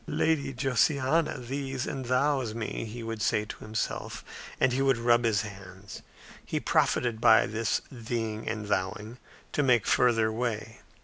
"Lady Josiana thees and thous me," he would say to himself. And he would rub his hands. He profited by this theeing and thouing to make further way.